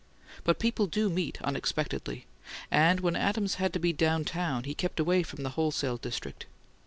But people do meet unexpectedly; and when Adams had to be down town he kept away from the "wholesale district."